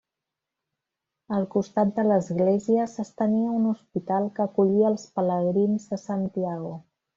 Al costat de l'església s'estenia un hospital que acollia als pelegrins de Santiago.